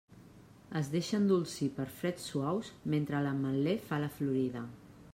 Es deixa endolcir per freds suaus mentre l'ametler fa la florida.